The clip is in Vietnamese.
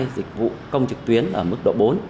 một mươi hai dịch vụ công trực tuyến ở mức độ bốn